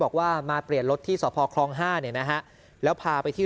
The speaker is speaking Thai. บอกว่ามาเปลี่ยนรถที่สพคลอง๕เนี่ยนะฮะแล้วพาไปที่